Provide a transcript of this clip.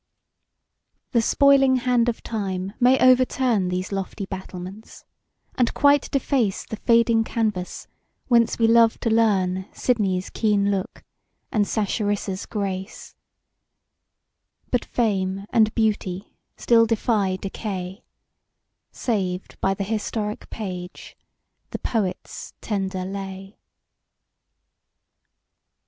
The spoiling hand of Time may overturn These lofty battlements, and quite deface The fading canvass whence we love to learn Sydney's keen look, and Sacharissa's grace; But fame and beauty still defy decay, Saved by the historic page the poet's tender lay!